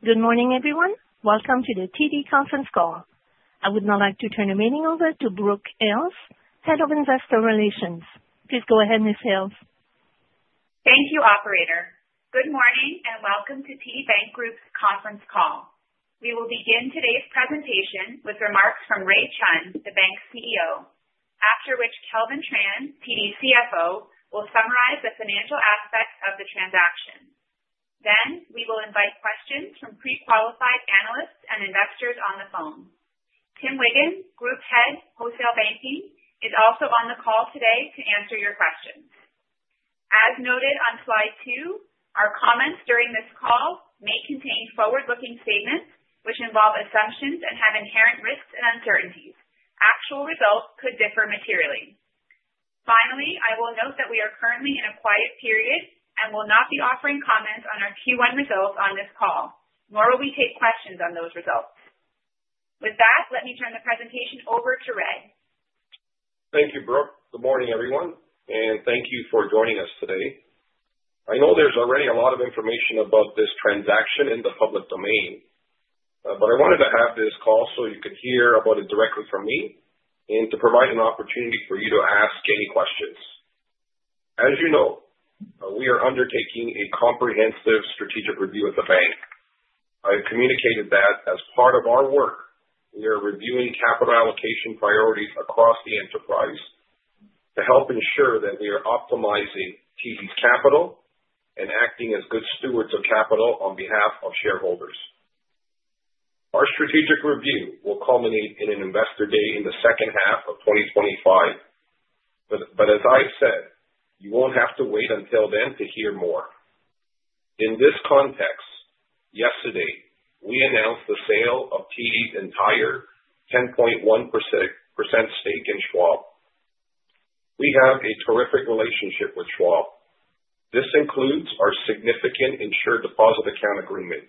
Good morning, everyone. Welcome to the TD Conference Call. I would now like to turn the meeting over to Brooke Hales, Head of Investor Relations. Please go ahead, Ms. Hales. Thank you, Operator. Good morning and welcome to TD Bank Group's Conference Call. We will begin today's presentation with remarks from Ray Chun, the Bank's CEO, after which Kelvin Tran, TD's CFO, will summarize the financial aspects of the transaction. Then we will invite questions from pre-qualified analysts and investors on the phone. Tim Wiggan, Group Head of Wholesale Banking, is also on the call today to answer your questions. As noted on slide two, our comments during this call may contain forward-looking statements which involve assumptions and have inherent risks and uncertainties. Actual results could differ materially. Finally, I will note that we are currently in a quiet period and will not be offering comments on our Q1 results on this call, nor will we take questions on those results. With that, let me turn the presentation over to Ray. Thank you, Brooke. Good morning, everyone, and thank you for joining us today. I know there's already a lot of information about this transaction in the public domain, but I wanted to have this call so you could hear about it directly from me and to provide an opportunity for you to ask any questions. As you know, we are undertaking a comprehensive strategic review at the bank. I've communicated that as part of our work, we are reviewing capital allocation priorities across the enterprise to help ensure that we are optimizing TD's capital and acting as good stewards of capital on behalf of shareholders. Our strategic review will culminate in an Investor Day in the second half of 2025, but as I've said, you won't have to wait until then to hear more. In this context, yesterday, we announced the sale of TD's entire 10.1% stake in Schwab. We have a terrific relationship with Schwab. This includes our significant Insured Deposit Account agreement,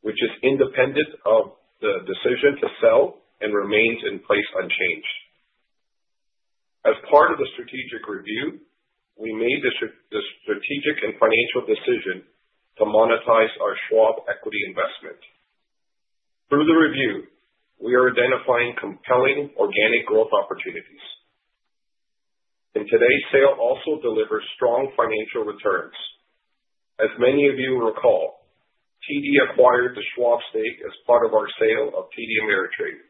which is independent of the decision to sell and remains in place unchanged. As part of the strategic review, we made the strategic and financial decision to monetize our Schwab equity investment. Through the review, we are identifying compelling organic growth opportunities, and today's sale also delivers strong financial returns. As many of you recall, TD acquired the Schwab stake as part of our sale of TD Ameritrade,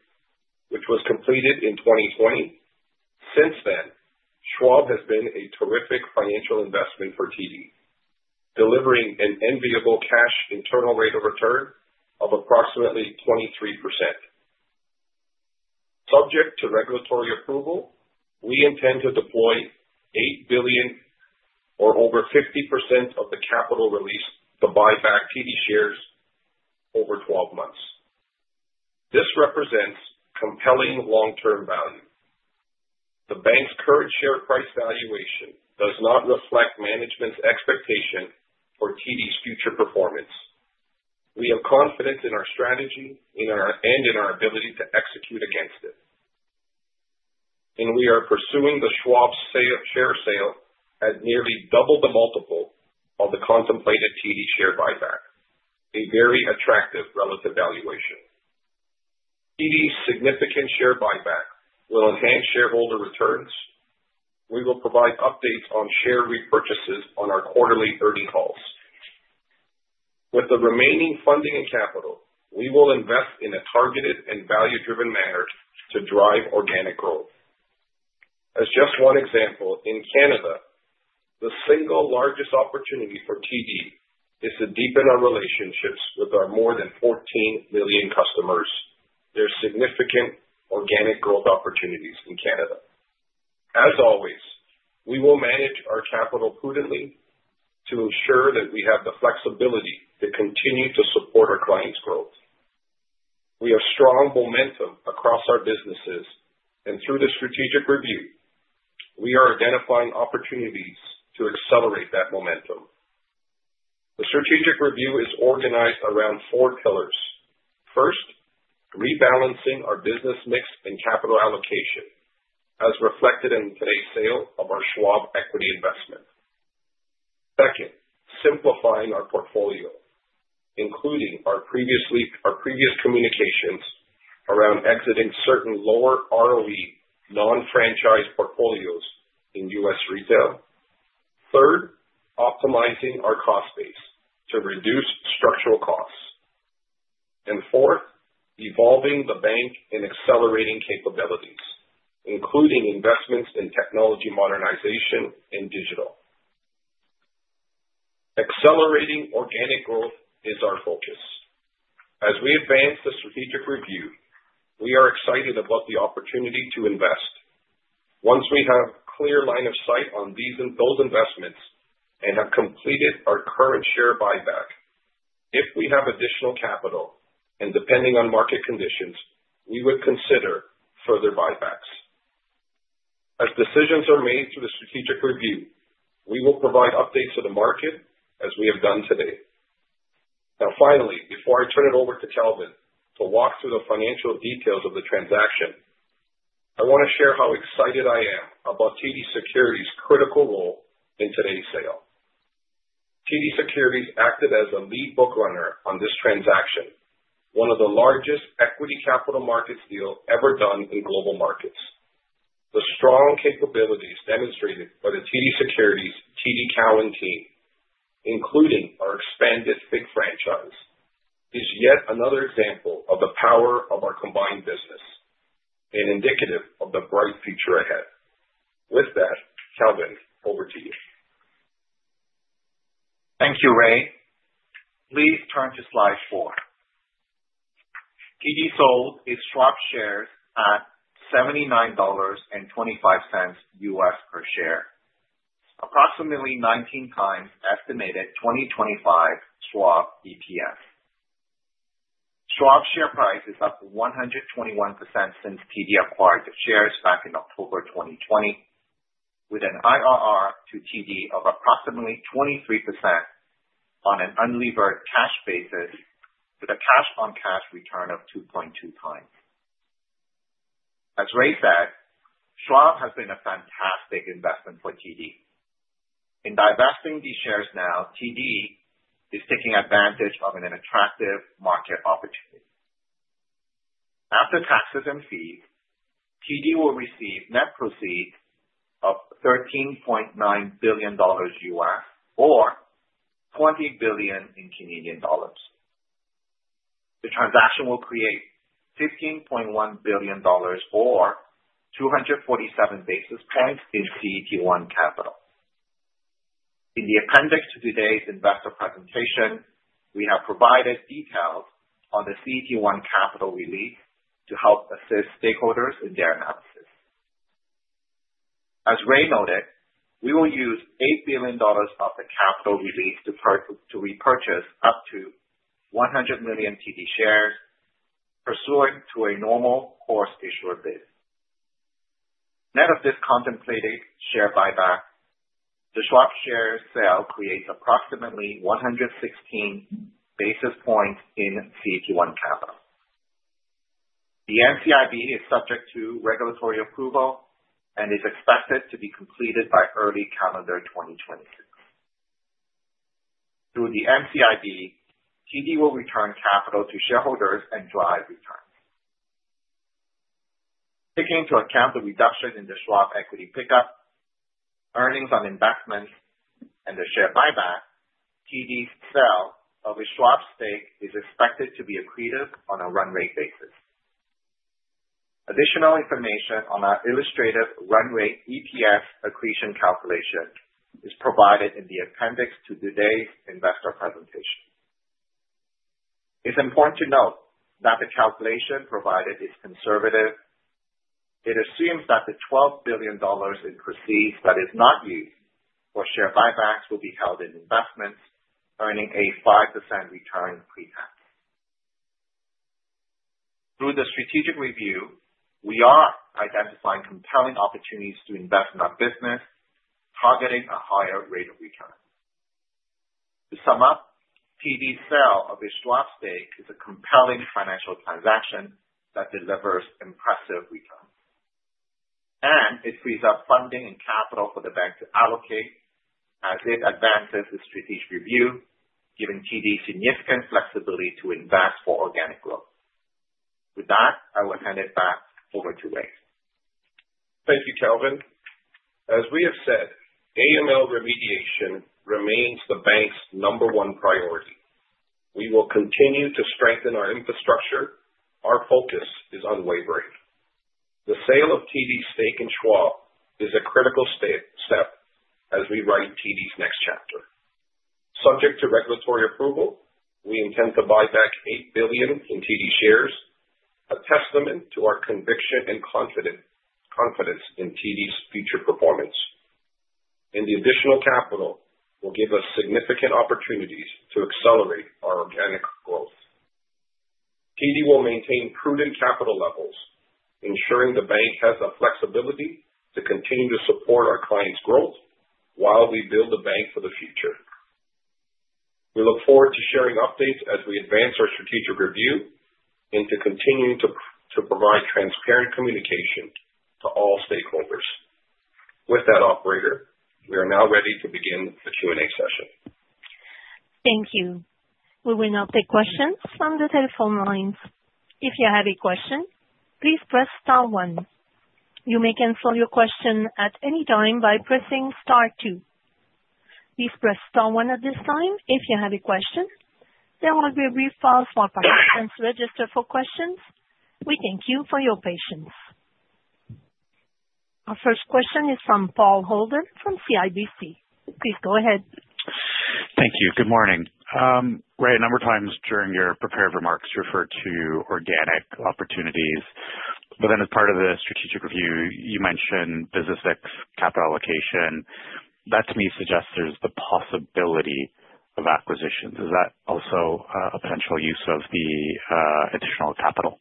which was completed in 2020. Since then, Schwab has been a terrific financial investment for TD, delivering an enviable cash internal rate of return of approximately 23%. Subject to regulatory approval, we intend to deploy 8 billion, or over 50% of the capital released, to buy back TD shares over 12 months. This represents compelling long-term value. The bank's current share price valuation does not reflect management's expectation for TD's future performance. We are confident in our strategy and in our ability to execute against it. We are pursuing the Schwab share sale at nearly double the multiple of the contemplated TD share buyback, a very attractive relative valuation. TD's significant share buyback will enhance shareholder returns. We will provide updates on share repurchases on our quarterly earnings calls. With the remaining funding and capital, we will invest in a targeted and value-driven manner to drive organic growth. As just one example, in Canada, the single largest opportunity for TD is to deepen our relationships with our more than 14 million customers. There are significant organic growth opportunities in Canada. As always, we will manage our capital prudently to ensure that we have the flexibility to continue to support our clients' growth. We have strong momentum across our businesses, and through the strategic review, we are identifying opportunities to accelerate that momentum. The strategic review is organized around four pillars. First, rebalancing our business mix and capital allocation, as reflected in today's sale of our Schwab equity investment. Second, simplifying our portfolio, including our previous communications around exiting certain lower ROE non-franchise portfolios in U.S. retail. Third, optimizing our cost base to reduce structural costs. And fourth, evolving the bank and accelerating capabilities, including investments in technology modernization and digital. Accelerating organic growth is our focus. As we advance the strategic review, we are excited about the opportunity to invest. Once we have a clear line of sight on those investments and have completed our current share buyback, if we have additional capital and depending on market conditions, we would consider further buybacks. As decisions are made through the strategic review, we will provide updates to the market as we have done today. Now, finally, before I turn it over to Kelvin to walk through the financial details of the transaction, I want to share how excited I am about TD Securities' critical role in today's sale. TD Securities acted as a lead bookrunner on this transaction, one of the largest equity capital markets deals ever done in global markets. The strong capabilities demonstrated by the TD Securities TD Cowen team, including our expanded FIG franchise, is yet another example of the power of our combined business, and indicative of the bright future ahead. With that, Kelvin, over to you. Thank you, Ray. Please turn to slide four. TD sold its Schwab shares at $79.25 U.S. per share, approximately 19x estimated 2025 Schwab EPS. Schwab's share price is up 121% since TD acquired the shares back in October 2020, with an IRR to TD of approximately 23% on an unlevered cash basis, with a cash-on-cash return of 2.2 times. As Ray said, Schwab has been a fantastic investment for TD. In divesting these shares now, TD is taking advantage of an attractive market opportunity. After taxes and fees, TD will receive net proceeds of $13.9 billion U.S., or 20 billion. The transaction will create $15.1 billion, or 247 basis points, in CET1 capital. In the appendix to today's investor presentation, we have provided details on the CET1 capital release to help assist stakeholders in their analysis. As Ray noted, we will use $8 billion of the capital released to repurchase up to 100 million TD shares, pursuant to a Normal Course Issuer Bid. Net of this contemplated share buyback, the Schwab share sale creates approximately 116 basis points in CET1 capital. The NCIB is subject to regulatory approval and is expected to be completed by early calendar 2026. Through the NCIB, TD will return capital to shareholders and drive returns. Taking into account the reduction in the Schwab equity pickup, earnings on investments, and the share buyback, TD's sale of a Schwab stake is expected to be accretive on a run rate basis. Additional information on our illustrative run rate EPS accretion calculation is provided in the appendix to today's investor presentation. It's important to note that the calculation provided is conservative. It assumes that the $12 billion in proceeds that is not used for share buybacks will be held in investments, earning a 5% return pre-tax. Through the strategic review, we are identifying compelling opportunities to invest in our business, targeting a higher rate of return. To sum up, TD's sale of a Schwab stake is a compelling financial transaction that delivers impressive returns and it frees up funding and capital for the bank to allocate as it advances the strategic review, giving TD significant flexibility to invest for organic growth. With that, I will hand it back over to Ray. Thank you, Kelvin. As we have said, AML remediation remains the bank's number one priority. We will continue to strengthen our infrastructure. Our focus is unwavering. The sale of TD's stake in Schwab is a critical step as we write TD's next chapter. Subject to regulatory approval, we intend to buy back 8 billion in TD shares, a testament to our conviction and confidence in TD's future performance, and the additional capital will give us significant opportunities to accelerate our organic growth. TD will maintain prudent capital levels, ensuring the bank has the flexibility to continue to support our clients' growth while we build the bank for the future. We look forward to sharing updates as we advance our strategic review and to continuing to provide transparent communication to all stakeholders. With that, Operator, we are now ready to begin the Q&A session. Thank you. We will now take questions from the telephone lines. If you have a question, please press star one. You may cancel your question at any time by pressing star two. Please press star one at this time if you have a question. There will be a brief pause while participants register for questions. We thank you for your patience. Our first question is from Paul Holden from CIBC. Please go ahead. Thank you. Good morning. Ray, a number of times during your prepared remarks you referred to organic opportunities. But then as part of the strategic review, you mentioned business mix, capital allocation. That, to me, suggests there's the possibility of acquisitions. Is that also a potential use of the additional capital?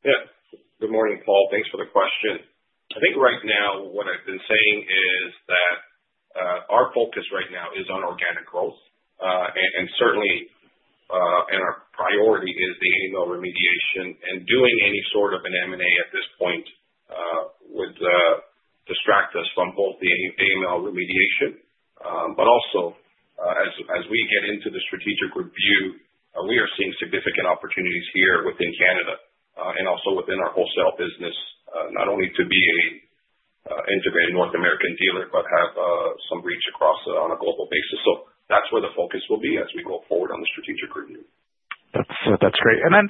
Yeah. Good morning, Paul. Thanks for the question. I think right now what I've been saying is that our focus right now is on organic growth. And certainly, our priority is the AML remediation. And doing any sort of an M&A at this point would distract us from both the AML remediation. But also, as we get into the strategic review, we are seeing significant opportunities here within Canada and also within our wholesale business, not only to be an integrated North American dealer, but have some reach across on a global basis. So that's where the focus will be as we go forward on the strategic review. That's great. And then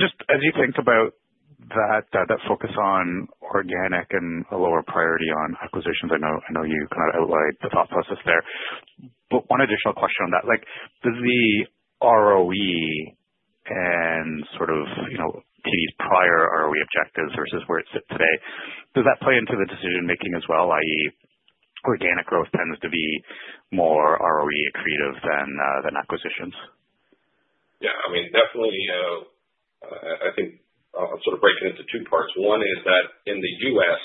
just as you think about that focus on organic and a lower priority on acquisitions, I know you kind of outlined the thought process there. But one additional question on that. Does the ROE and sort of TD's prior ROE objectives versus where it sits today, does that play into the decision-making as well, i.e., organic growth tends to be more ROE accretive than acquisitions? Yeah. I mean, definitely, I think I'm sort of breaking it into two parts. One is that in the U.S.,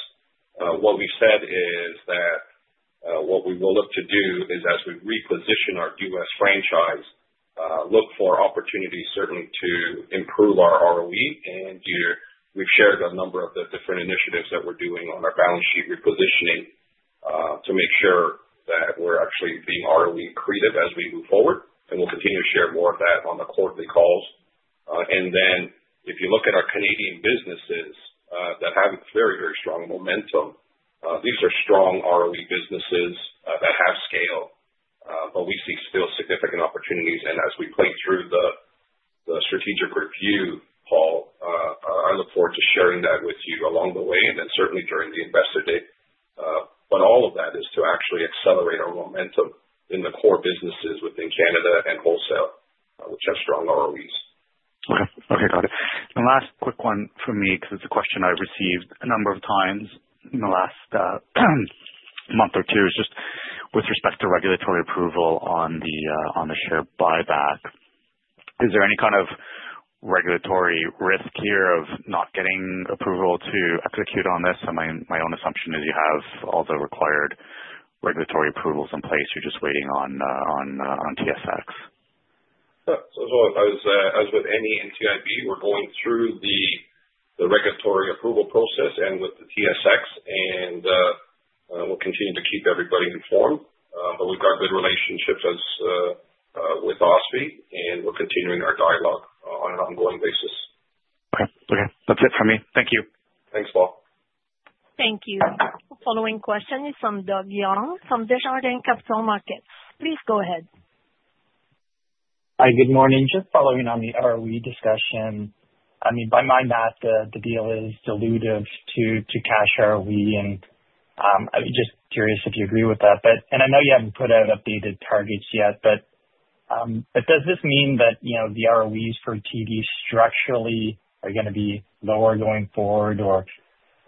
what we've said is that what we will look to do is, as we reposition our U.S. franchise, look for opportunities, certainly, to improve our ROE, and we've shared a number of the different initiatives that we're doing on our balance sheet repositioning to make sure that we're actually being ROE accretive as we move forward, and we'll continue to share more of that on the quarterly calls, and then if you look at our Canadian businesses that have very, very strong momentum, these are strong ROE businesses that have scale, but we see still significant opportunities, and as we play through the strategic review, Paul, I look forward to sharing that with you along the way and then certainly during the investor day. But all of that is to actually accelerate our momentum in the core businesses within Canada and wholesale, which have strong ROEs. Okay. Okay. Got it. And last quick one for me because it's a question I've received a number of times in the last month or two is just with respect to regulatory approval on the share buyback. Is there any kind of regulatory risk here of not getting approval to execute on this? And my own assumption is you have all the required regulatory approvals in place. You're just waiting on TSX. Yeah. So as with any NCIB, we're going through the regulatory approval process and with the TSX. And we'll continue to keep everybody informed. But we've got good relationships with OSFI, and we're continuing our dialogue on an ongoing basis. Okay. Okay. That's it from me. Thank you. Thanks, Paul. Thank you. The following question is from Doug Young from Desjardins Capital Markets. Please go ahead. Hi. Good morning. Just following on the ROE discussion. I mean, by my math, the deal is dilutive to cash ROE. And I'm just curious if you agree with that. And I know you haven't put out updated targets yet, but does this mean that the ROEs for TD structurally are going to be lower going forward, or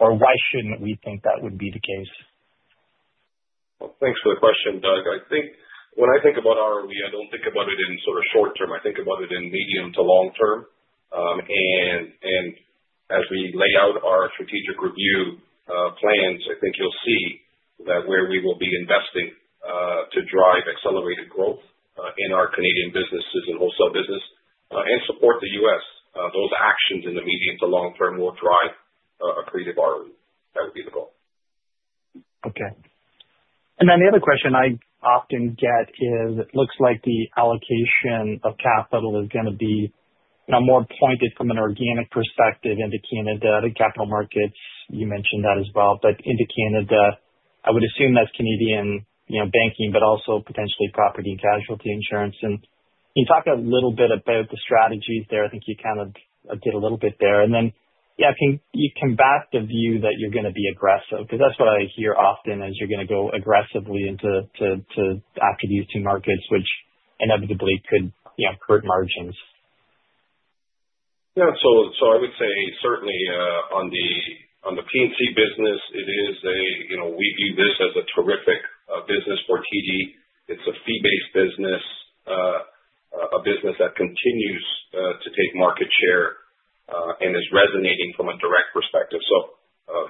why shouldn't we think that would be the case? Thanks for the question, Doug. I think when I think about ROE, I don't think about it in sort of short term. I think about it in medium to long term. And as we lay out our strategic review plans, I think you'll see that where we will be investing to drive accelerated growth in our Canadian businesses and wholesale business and support the U.S., those actions in the medium to long term will drive accretive ROE. That would be the goal. Okay. And then the other question I often get is it looks like the allocation of capital is going to be more pointed from an organic perspective into Canada, the capital markets. You mentioned that as well. But into Canada, I would assume that's Canadian banking, but also potentially property and casualty insurance. And can you talk a little bit about the strategies there? I think you kind of did a little bit there. And then, yeah, can you combat the view that you're going to be aggressive? Because that's what I hear often is you're going to go aggressively into after these two markets, which inevitably could hurt margins. Yeah. So I would say certainly on the P&C business, it is a we view this as a terrific business for TD. It's a fee-based business, a business that continues to take market share and is resonating from a direct perspective. So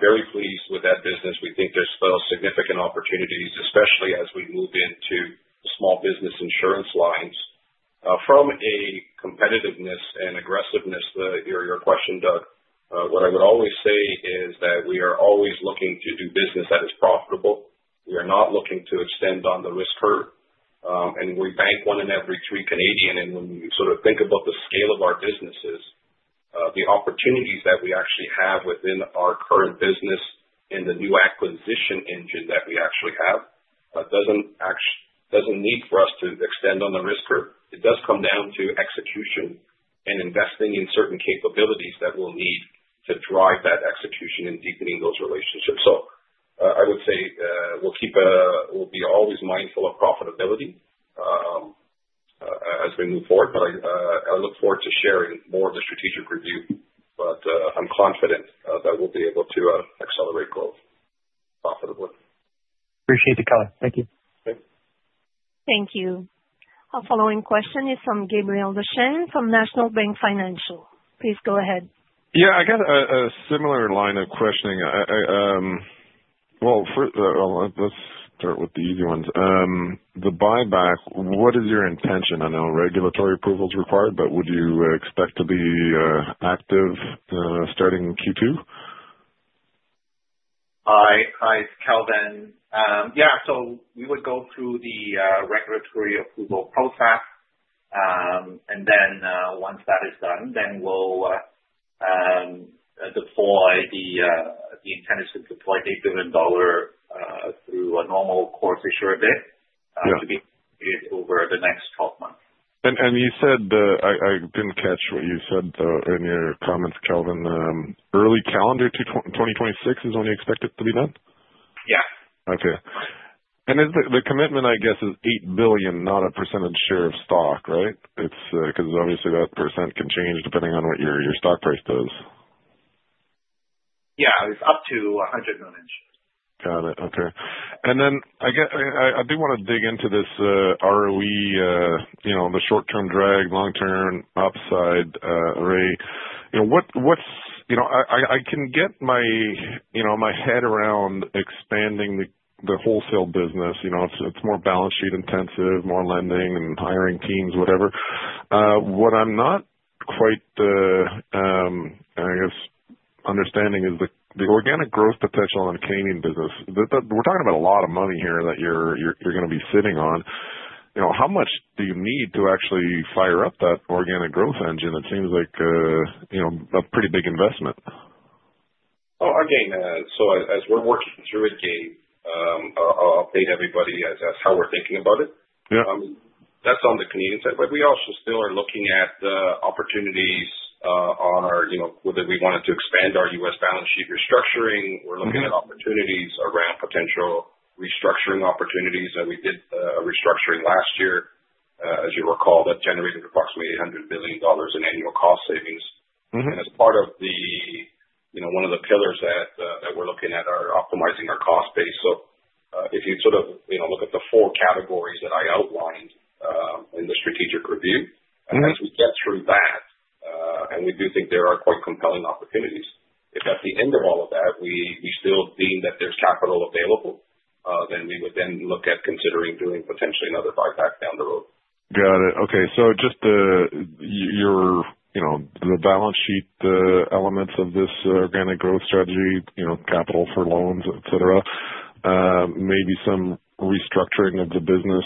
very pleased with that business. We think there's still significant opportunities, especially as we move into small business insurance lines. From a competitiveness and aggressiveness, your question, Doug, what I would always say is that we are always looking to do business that is profitable. We are not looking to extend on the risk curve. And we bank one in every three Canadian. And when you sort of think about the scale of our businesses, the opportunities that we actually have within our current business and the new acquisition engine that we actually have doesn't need for us to extend on the risk curve. It does come down to execution and investing in certain capabilities that we'll need to drive that execution and deepening those relationships. So I would say we'll be always mindful of profitability as we move forward. But I look forward to sharing more of the strategic review. But I'm confident that we'll be able to accelerate growth profitably. Appreciate the color. Thank you. Thank you. Thank you. Our following question is from Gabriel Dechaine from National Bank Financial. Please go ahead. Yeah. I got a similar line of questioning. Well, let's start with the easy ones. The buyback, what is your intention? I know regulatory approval is required, but would you expect to be active starting Q2? Hi. Hi, Kelvin. Yeah. So we would go through the regulatory approval process. And then once that is done, then we'll deploy. The intent is to deploy $8 billion through a Normal Course Issuer Bid to be over the next 12 months. And you said I didn't catch what you said in your comments, Kelvin. Early calendar 2026 is when you expect it to be done? Yeah. Okay. And the commitment, I guess, is 8 billion, not a percentage share of stock, right? Because obviously that percent can change depending on what your stock price does. Yeah. It's up to 100 million shares. Got it. Okay. And then I do want to dig into this ROE, the short-term drag, long-term upside, Ray. I can get my head around expanding the wholesale business. It's more balance sheet intensive, more lending and hiring teams, whatever. What I'm not quite, I guess, understanding is the organic growth potential on the Canadian business. We're talking about a lot of money here that you're going to be sitting on. How much do you need to actually fire up that organic growth engine? It seems like a pretty big investment. Oh, again, so as we're working through it, Gabe, I'll update everybody as to how we're thinking about it. That's on the Canadian side. But we also still are looking at opportunities on our whether we wanted to expand our U.S. balance sheet restructuring. We're looking at opportunities around potential restructuring opportunities that we did restructuring last year. As you recall, that generated approximately $800 million in annual cost savings. And as part of the one of the pillars that we're looking at are optimizing our cost base. So if you sort of look at the four categories that I outlined in the strategic review, and as we get through that, and we do think there are quite compelling opportunities. If at the end of all of that, we still deem that there's capital available, then we would then look at considering doing potentially another buyback down the road. Got it. Okay, so just the balance sheet elements of this organic growth strategy, capital for loans, etc., maybe some restructuring of the business,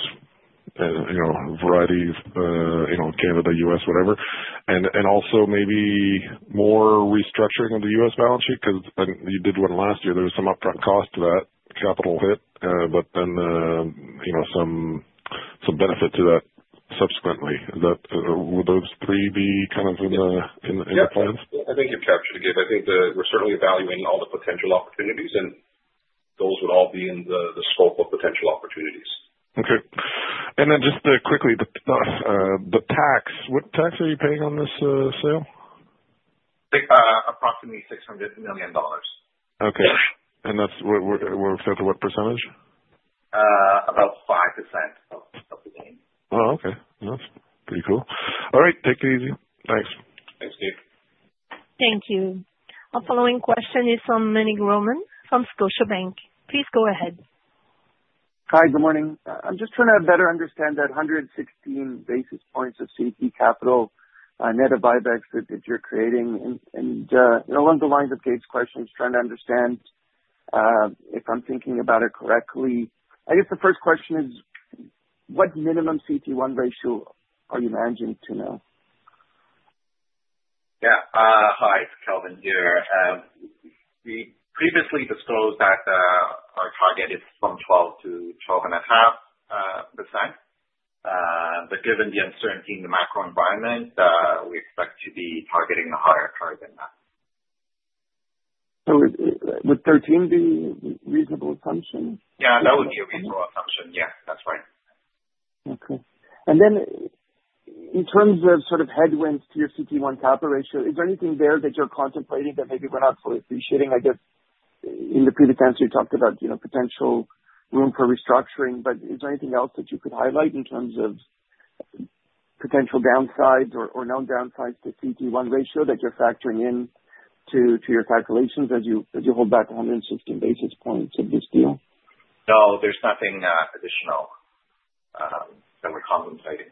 a variety of Canada, U.S., whatever, and also maybe more restructuring of the U.S. balance sheet because you did one last year. There was some upfront cost to that capital hit, but then some benefit to that subsequently. Would those three be kind of in the plans? Yeah. I think you've captured it, Gabe. I think we're certainly evaluating all the potential opportunities. And those would all be in the scope of potential opportunities. Okay. And then just quickly, the tax. What tax are you paying on this sale? Approximately $600 million. Okay. And that's what percentage? About 5% of the gain. Oh, okay. That's pretty cool. All right. Take it easy. Thanks. Thanks, Gabe. Thank you. Our following question is from Meny Grauman from Scotiabank. Please go ahead. Hi. Good morning. I'm just trying to better understand that 116 basis points of CET1 capital net of buybacks that you're creating, and along the lines of Gabe's questions, trying to understand if I'm thinking about it correctly. I guess the first question is, what minimum CET1 ratio are you managing to now? Yeah. Hi. Kelvin here. We previously disclosed that our target is from 12%-12.5%. But given the uncertainty in the macro environment, we expect to be targeting a higher target than that. So would 13 be a reasonable assumption? Yeah. That would be a reasonable assumption. Yeah. That's right. Okay. And then in terms of sort of headwinds to your CET1 capital ratio, is there anything there that you're contemplating that maybe we're not fully appreciating? I guess in the previous answer, you talked about potential room for restructuring. But is there anything else that you could highlight in terms of potential downsides or known downsides to CET1 ratio that you're factoring into your calculations as you hold back 116 basis points of this deal? No. There's nothing additional that we're contemplating.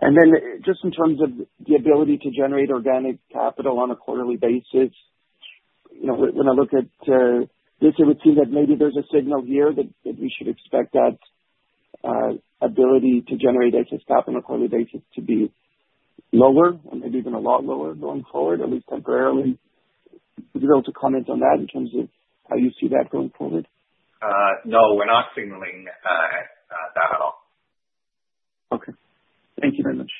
And then just in terms of the ability to generate organic capital on a quarterly basis, when I look at this, it would seem that maybe there's a signal here that we should expect that ability to generate excess capital on a quarterly basis to be lower and maybe even a lot lower going forward, at least temporarily. Would you be able to comment on that in terms of how you see that going forward? No. We're not signaling that at all. Okay. Thank you very much.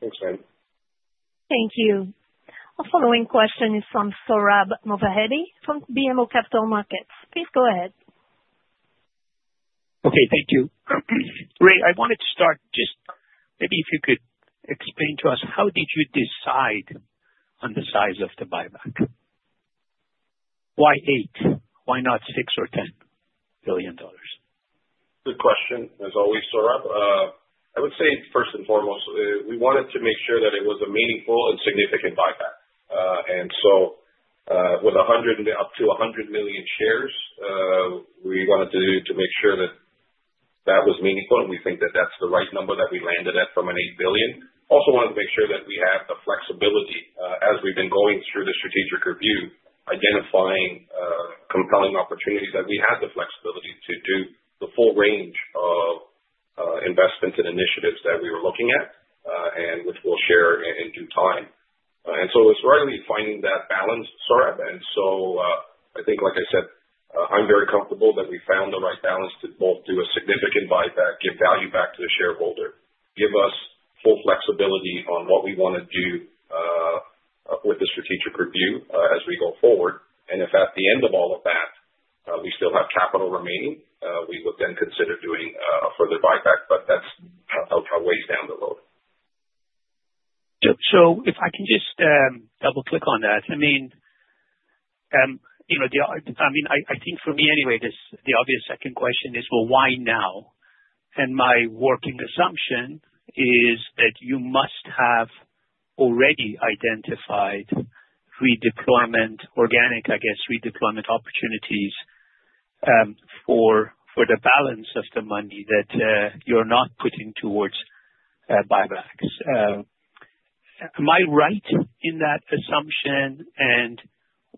Thanks, Meny. Thank you. Our following question is from Sohrab Movahedi from BMO Capital Markets. Please go ahead. Okay. Thank you. Ray, I wanted to start just maybe if you could explain to us, how did you decide on the size of the buyback? Why $8 billion? Why not $6 billion or $10 billion? Good question, as always, Sohrab. I would say first and foremost, we wanted to make sure that it was a meaningful and significant buyback, and so with up to 100 million shares, we wanted to make sure that that was meaningful, and we think that that's the right number that we landed at from 8 billion. Also wanted to make sure that we have the flexibility. As we've been going through the strategic review, identifying compelling opportunities, that we had the flexibility to do the full range of investments and initiatives that we were looking at and which we'll share in due time, and so it's really finding that balance, Sohrab. And so I think, like I said, I'm very comfortable that we found the right balance to both do a significant buyback, give value back to the shareholder, give us full flexibility on what we want to do with the strategic review as we go forward. And if at the end of all of that, we still have capital remaining, we would then consider doing a further buyback. But that's a ways down the road. So, if I can just double-click on that, I mean, I think for me anyway, the obvious second question is, well, why now? And my working assumption is that you must have already identified redeployment, organic, I guess, redeployment opportunities for the balance of the money that you're not putting towards buybacks. Am I right in that assumption? And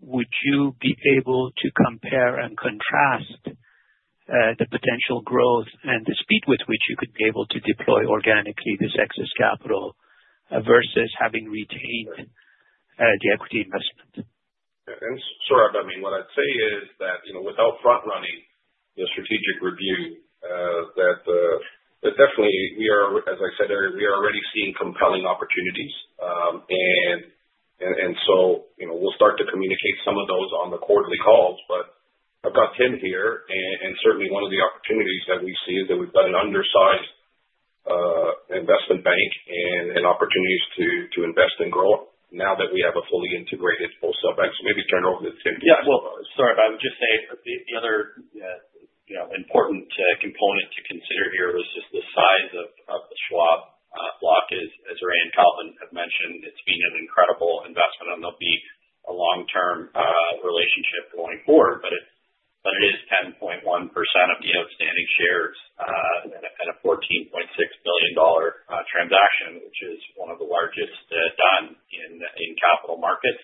would you be able to compare and contrast the potential growth and the speed with which you could be able to deploy organically this excess capital versus having retained the equity investment? And Sohrab, I mean, what I'd say is that without front-running the strategic review, that definitely we are, as I said earlier, we are already seeing compelling opportunities. And so we'll start to communicate some of those on the quarterly calls. But I've got Tran here. And certainly one of the opportunities that we see is that we've got an undersized investment bank and opportunities to invest and grow now that we have a fully integrated wholesale bank. So maybe turn over to Tran. Yeah. Well, Sohrab, I would just say the other important component to consider here is just the size of the Schwab block. As Ray and Cowen have mentioned, it's been an incredible investment. And there'll be a long-term relationship going forward. But it is 10.1% of the outstanding shares and a $14.6 billion transaction, which is one of the largest done in capital markets.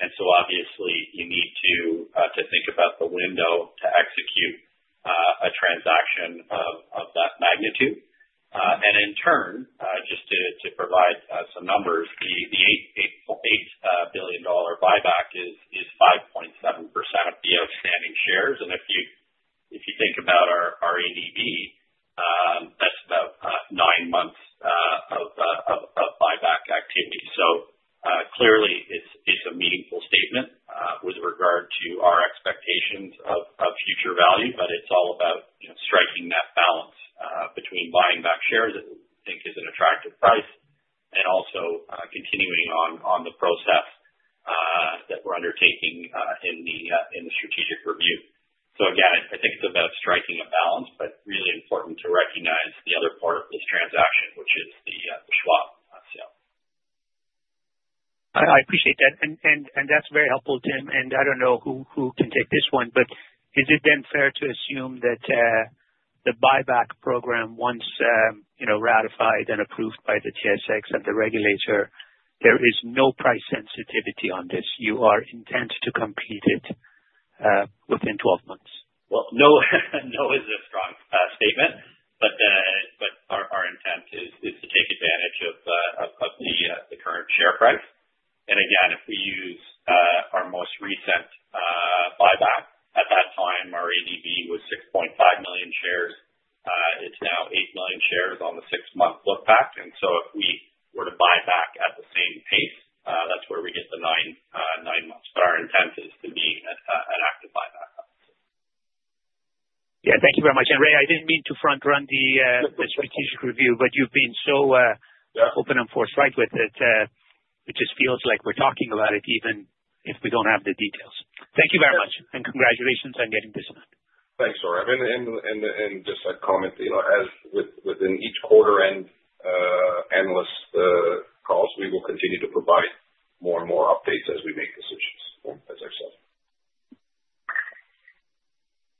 And so obviously, you need to think about the window to execute a transaction of that magnitude. And in turn, just to provide some numbers, the $8 billion buyback is 5.7% of the outstanding shares. And if you think about our ADV, that's about nine months of buyback activity. So clearly, it's a meaningful statement with regard to our expectations of future value. But it's all about striking that balance between buying back shares that we think is an attractive price and also continuing on the process that we're undertaking in the strategic review. So again, I think it's about striking a balance. But really important to recognize the other part of this transaction, which is the Schwab sale. I appreciate that. And that's very helpful, Tim. And I don't know who can take this one. But is it then fair to assume that the buyback program, once ratified and approved by the TSX and the regulator, there is no price sensitivity on this? You are intent to complete it within 12 months? No is a strong statement, but our intent is to take advantage of the current share price and, again, if we use our most recent buyback, at that time, our ADV was 6.5 million shares. It's now 8 million shares on the six-month lookback and so if we were to buy back at the same pace, that's where we get the nine months. But our intent is to be an active buyback. Yeah. Thank you very much. And Ray, I didn't mean to front-run the strategic review. But you've been so open and forthright with it. It just feels like we're talking about it even if we don't have the details. Thank you very much. And congratulations on getting this done. Thanks, Sohrab. And just a comment, within each quarter-end analyst calls, we will continue to provide more and more updates as we make decisions as ourselves.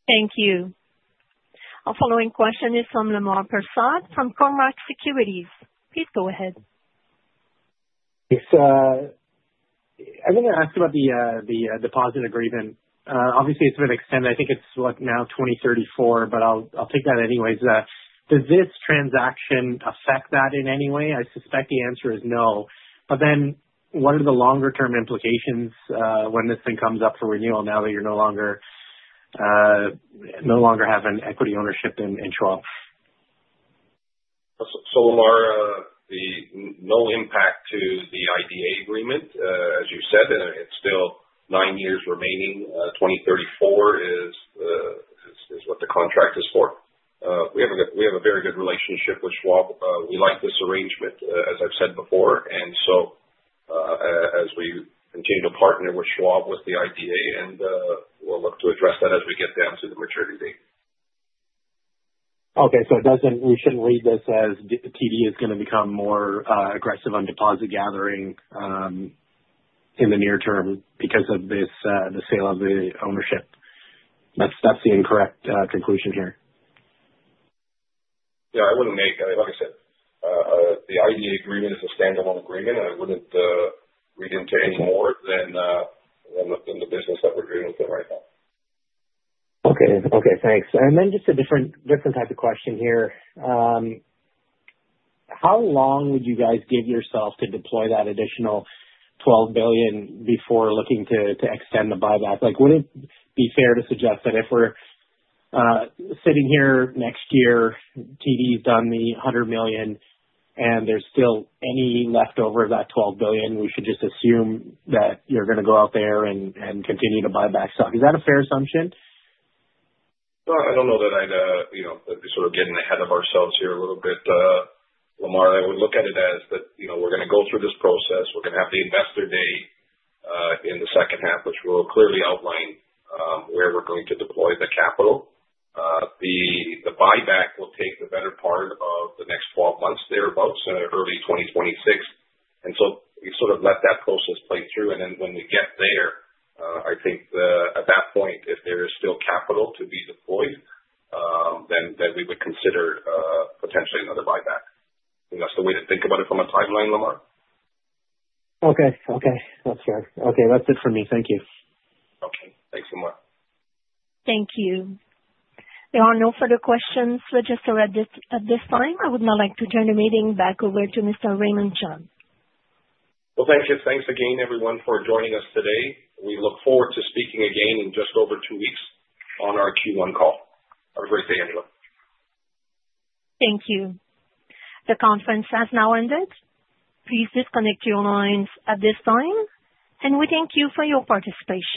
Thank you. Our following question is from Lemar Persaud from Cormark Securities. Please go ahead. I'm going to ask about the deposit agreement. Obviously, it's been extended. I think it's now 2034. But I'll take that anyways. Does this transaction affect that in any way? I suspect the answer is no. But then what are the longer-term implications when this thing comes up for renewal now that you no longer have an equity ownership in Schwab? So Lemar, no impact to the IDA agreement, as you said. And it's still nine years remaining. 2034 is what the contract is for. We have a very good relationship with Schwab. We like this arrangement, as I've said before. And so as we continue to partner with Schwab, with the IDA, and we'll look to address that as we get down to the maturity date. Okay. So we shouldn't read this as TD is going to become more aggressive on deposit gathering in the near term because of the sale of the ownership. That's the incorrect conclusion here. Yeah. I mean, like I said, the IDA agreement is a standalone agreement, and we didn't take any more than the business that we're dealing with right now. Okay. Thanks. And then just a different type of question here. How long would you guys give yourself to deploy that additional 12 billion before looking to extend the buyback? Would it be fair to suggest that if we're sitting here next year, TD's done the 100 million, and there's still any leftover of that 12 billion, we should just assume that you're going to go out there and continue to buy back stock? Is that a fair assumption? I don't know that I'd sort of get in the head of ourselves here a little bit. Lemar, I would look at it as that we're going to go through this process. We're going to have the investor day in the second half, which will clearly outline where we're going to deploy the capital. The buyback will take the better part of the next 12 months thereabouts, early 2026, and so we sort of let that process play through. And then when we get there, I think at that point, if there is still capital to be deployed, then we would consider potentially another buyback. That's the way to think about it from a timeline, Lemar. Okay. Okay. That's fair. Okay. That's it for me. Thank you. Okay. Thanks so much. Thank you. There are no further questions registered at this time. I would now like to turn the meeting back over to Mr. Raymond Chun. Thank you. Thanks again, everyone, for joining us today. We look forward to speaking again in just over two weeks on our Q1 call. Have a great day, everyone. Thank you. The conference has now ended. Please disconnect your lines at this time, and we thank you for your participation.